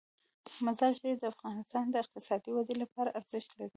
مزارشریف د افغانستان د اقتصادي ودې لپاره ارزښت لري.